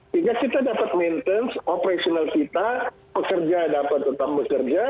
sehingga kita dapat maintenance operasional kita pekerja dapat tetap bekerja